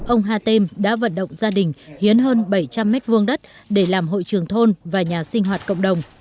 ông hatem đã vận động gia đình hiến hơn bảy trăm linh m hai đất để làm hội trường thôn và nhà sinh hoạt cộng đồng